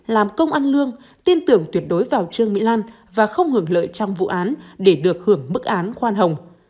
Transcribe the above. làm công ăn lương tin tưởng tuyệt đối vào trương mỹ lan và không hưởng lợi trong vụ án để được hưởng mức án khoan hồng